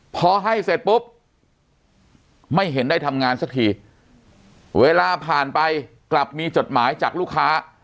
พอให้เสร็จปุ๊บไม่เห็นได้ทำงานสักทีเวลาผ่านไปกลับมีจดหมายจากลูกค้า